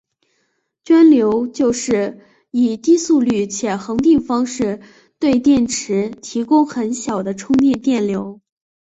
涓流就是以低速率且恒定方式对电池提供很小的充电电流。